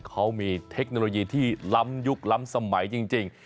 เขามีเทคโนโลยีที่ล้ำยุคล้ำสมัยจริง